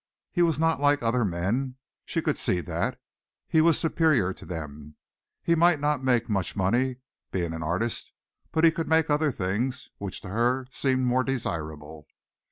He was not like other men she could see that. He was superior to them. He might not make much money, being an artist, but he could make other things which to her seemed more desirable.